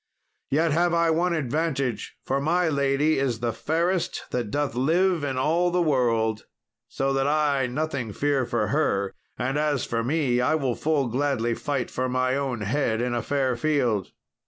Yet have I one advantage, for my lady is the fairest that doth live in all the world, so that I nothing fear for her; and as for me, I will full gladly fight for my own head in a fair field."